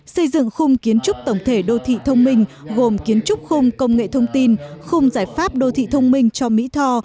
xây dựng khung kiến trúc tổng thể đô thị thông minh gồm kiến trúc khung công nghệ thông tin khung giải pháp đô thị thông minh cho mỹ tho